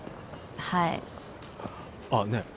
はいあねえ